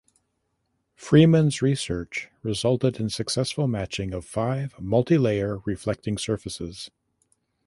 Freeman’s research resulted in successful matching of five multilayer reflecting surfaces.